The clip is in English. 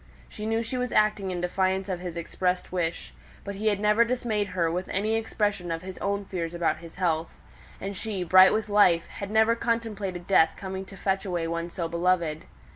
She knew she was acting in defiance of his expressed wish; but he had never dismayed her with any expression of his own fears about his health; and she, bright with life, had never contemplated death coming to fetch away one so beloved.